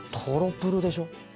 とろプルでしょ？